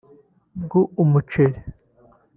bw’umuceri